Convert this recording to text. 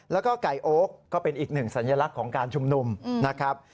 แล้วก็ไก่โอ๊คก็เป็นอีกหนึ่งสัญลักษณ์ของการชุมนุมนะครับ